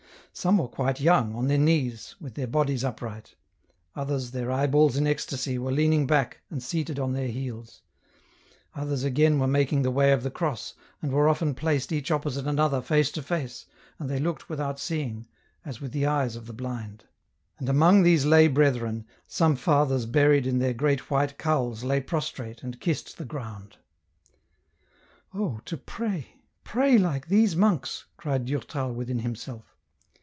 Some were quite young, on their knees, with their bodies upright ; others, their eyeballs in ecstasy, were leaning back, and seated on their heels ; others again were making the way of the cross, and were often placed each opposite another face to face, and they looked without seeing, as with the eyes of the blind. And among these lay brethren, some fathers ouried in their great white cowls lay prostrate and kissed the ground. " Oh to pray, pray like these monks !" cried Durtal within himself.